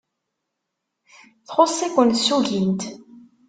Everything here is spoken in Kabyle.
Txuṣṣ-iken tsugint.